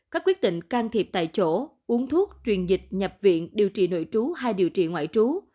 các quyết định can thiệp tại chỗ uống thuốc truyền dịch nhập viện điều trị nội trú hay điều trị ngoại trú